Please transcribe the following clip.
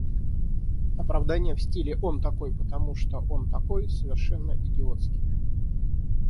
Оправдания в стиле «Он такой, просто потому что он такой» совершенно идиотские.